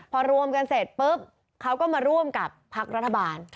พอรวมกันเสร็จปุ๊บเขาก็มาร่วมกับพักรัฐบาล